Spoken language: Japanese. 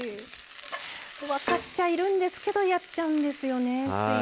分かっちゃいるんですけどやっちゃうんですよね、つい。